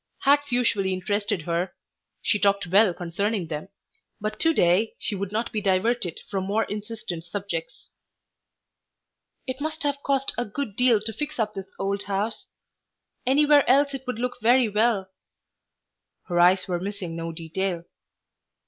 Hats usually interested her. She talked well concerning them, but to day she would not be diverted from more insistent subjects. "It must have cost a good deal to fix up this old house. Anywhere else it would look very well." Her eyes were missing no detail.